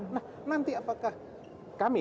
nah nanti apakah kami